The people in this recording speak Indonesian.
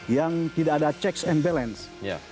yang tidak ada checks and balance